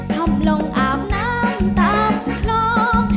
ทำลงอาบน้ำตาน้อง